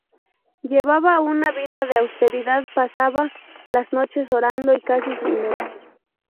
Llevaba una vida de austeridad, pasaba las noches orando y casi sin dormir.